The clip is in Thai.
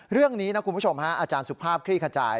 เรื่องนี้นะคุณผู้ชมอาจารย์สุภาพคลี่ขจาย